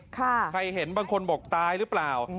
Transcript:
ใครเห็นบางคนบอกตายหรือเปล่า